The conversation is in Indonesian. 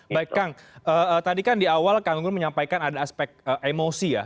baik kang tadi kan di awal kang gunggun menyampaikan ada aspek emosi ya